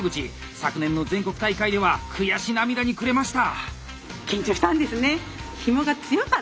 昨年の全国大会では悔し涙に暮れました。